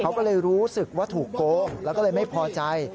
เขาก็เลยรู้สึกว่าถูกโกงแล้วก็เลยไม่พอใจ